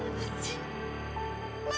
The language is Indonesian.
kamu sudah berubah